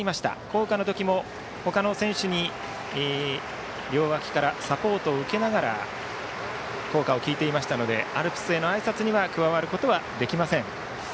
校歌の時も、他の選手に両脇からサポートを受けながら校歌を聴いていましたのでアルプスへのあいさつへは加わることができません。